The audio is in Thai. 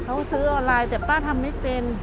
เขาซื้อออนไลน์แต่ป้าทำไม่เป็น